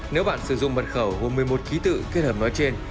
nếu bạn sử dụng mật khẩu gồm một mươi một ký tự kết hợp nói trên